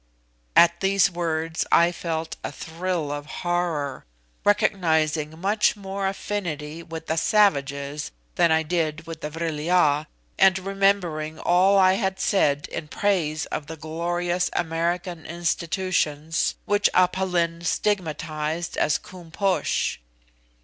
At these words I felt a thrill of horror, recognising much more affinity with "the savages" than I did with the Vril ya, and remembering all I had said in praise of the glorious American institutions, which Aph Lin stigmatised as Koom Posh.